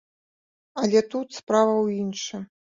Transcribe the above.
Але тут справа ў іншым.